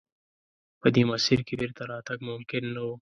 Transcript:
په دې مسیر کې بېرته راتګ ممکن نه و.